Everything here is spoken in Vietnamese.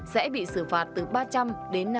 sẽ bị xử phạt từ ba trăm linh đến